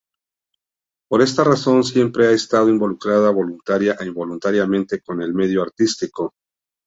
Por esta razón, siempre ha estado involucrada, voluntaria e involuntariamente, con el medio artístico.